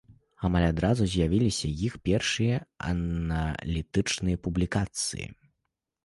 Амаль адразу з'явіліся іх першыя аналітычныя публікацыі.